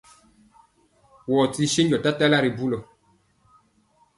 Wɔɔ ti senjɔ tatala ri bulɔ.